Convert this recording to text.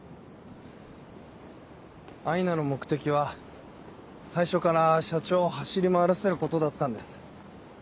アイナの目的は最初から社長を走り回らせることだったんです。